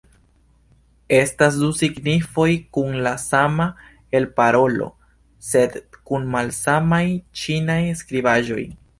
Estas du signifoj kun la sama elparolo sed kun malsamaj ĉinaj skribaĵoj.